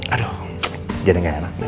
aduh jadi gak enak nih